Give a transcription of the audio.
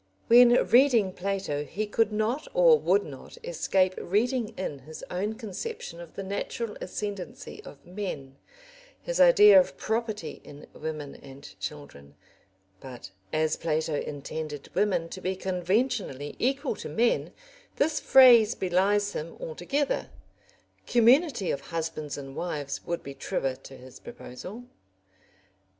When reading Plato he could not or would not escape reading in his own conception of the natural ascendency of men, his idea of property in women and children. But as Plato intended women to be conventionally equal to men, this phrase belies him altogether; community of husbands and wives would be truer to his proposal.